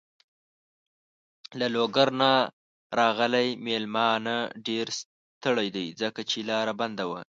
له لوګر نه راغلی مېلمانه ډېر ستړی دی. ځکه چې لاره بنده وه.